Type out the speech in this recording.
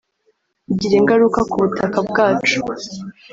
igira ingaruka k’ubutaka bwacu